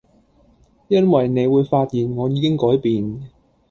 因為你會發現我已經改變